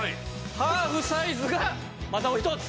ハーフサイズがまたお一つ。